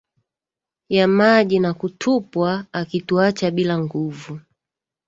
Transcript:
ya maji na kutupwa akituacha bila nguvu